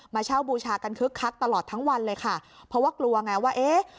เช่าบูชากันคึกคักตลอดทั้งวันเลยค่ะเพราะว่ากลัวไงว่าเอ๊ะ